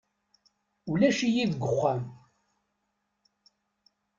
Ulac-iyi deg uxxam.